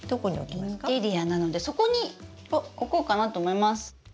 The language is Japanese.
インテリアなのでそこに置こうかなと思います。